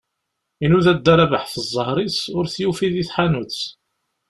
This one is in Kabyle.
Inuda dda Rabeḥ ɣef ẓẓher-is, ur t-yufi di tḥanut.